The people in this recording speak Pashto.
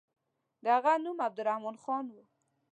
د هغه نوم عبدالرحمن خان وو.